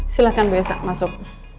silahkan bu ya sa masuk